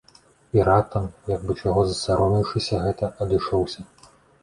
І раптам, як бы чаго засаромеўшыся гэта, адышоўся.